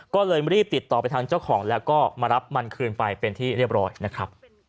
ก็เลยรีบติดต่อไปทางเจ้าของแล้วก็มารับมันคืนไปเป็นที่เรียบร้อยนะครับ